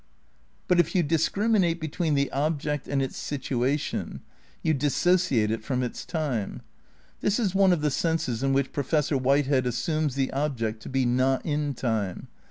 But if you discriminate between the object and its situa tion you dissociate it from its time. This is one of the senses in which Professor Whitehead assumes the ob ject to be not in time.